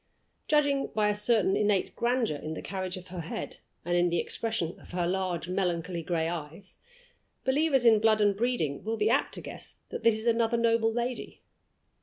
Judging by a certain innate grandeur in the carriage of her head and in the expression of her large melancholy gray eyes, believers in blood and breeding will be apt to guess that this is another noble lady.